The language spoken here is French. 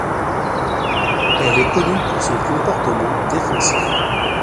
Elle est connue pour son comportement défensif.